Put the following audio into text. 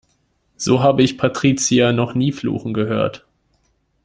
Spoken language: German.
So habe ich Patricia noch nie fluchen gehört.